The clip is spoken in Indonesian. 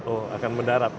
oh akan mendarat